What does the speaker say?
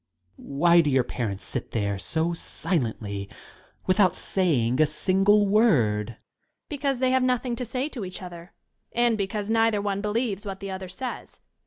Why do your parents sit there so silently, without saying a single word? Young LADY.VBecause they have nothing to say to each other, and because neither one believes what the other says.